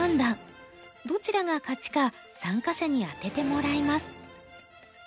どちらが勝ちか参加者に当ててもらいます。